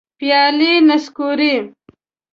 پیالي نسکوري